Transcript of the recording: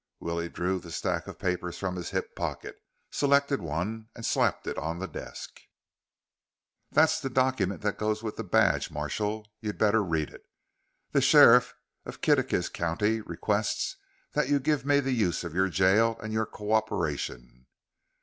Willie drew the stack of papers from his hip pocket, selected one and slapped it on the desk. "That's the document that goes with the badge, Marshal. You better read it. The sheriff of Kittitas County requests that you give me the use of your jail and your c co operation."